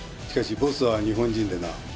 しかしボスは日本人でな。